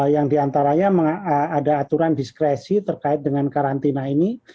yang diantaranya ada aturan diskresi terkait dengan karantina ini